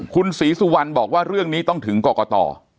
คุณศรีสุวรรณบอกว่าเรื่องนี้ต้องถึงกรกต